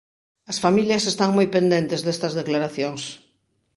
As familias están moi pendentes destas declaracións.